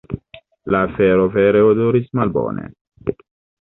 La afero vere odoris malbone.